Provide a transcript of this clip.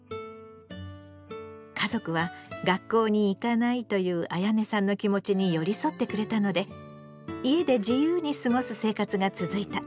家族は「学校に行かない」というあやねさんの気持ちに寄り添ってくれたので家で自由に過ごす生活が続いた。